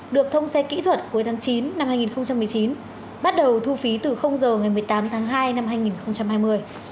được thông xe kỹ thuật cuối tháng chín năm hai nghìn một mươi chín bắt đầu thu phí từ giờ ngày một mươi tám tháng hai năm hai nghìn hai mươi